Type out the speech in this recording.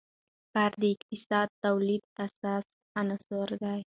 کار د اقتصادي تولید اساسي عنصر دی.